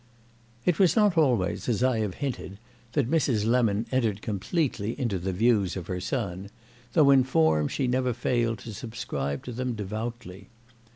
It was not always, as I have hinted, that Mrs. Lemon entered completely into the views of her son, though in form she never failed to subscribe to them devoutly.